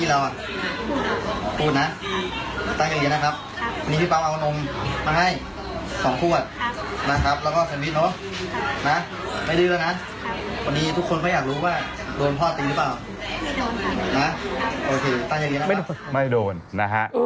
โดนพ่อจริงหรือเปล่าโอเคตั้งอย่างนี้นะครับไม่โดนนะฮะ